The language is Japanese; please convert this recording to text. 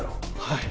はい。